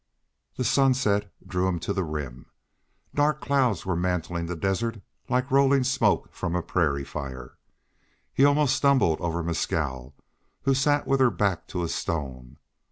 The sunset drew him to the rim. Dark clouds were mantling the desert like rolling smoke from a prairie fire. He almost stumbled over Mescal, who sat with her back to a stone.